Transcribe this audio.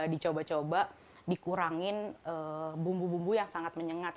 dicoba coba dikurangin bumbu bumbu yang sangat menyengat